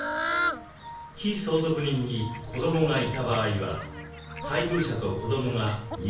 被相続人に子どもがいた場合は配偶者と子どもが1/2ずつ。